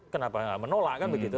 kenapa menolak kan begitu